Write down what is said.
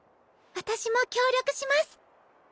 私も協力します。